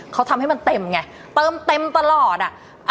เขาทำให้มันเต็มไงเติมเต็มตลอดอ่ะ